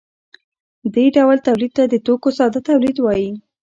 دې ډول تولید ته د توکو ساده تولید وايي.